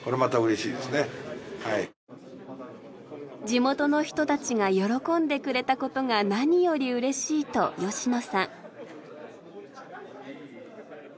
「地元の人たちが喜んでくれたことが何よりうれしい」と吉野さん。